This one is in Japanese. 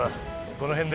この辺で。